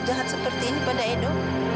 jahat seperti ini pada edo